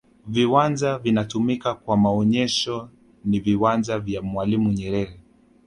viwanja vinatumika kwa maonesho ni viwanja vya mwalimu nyerere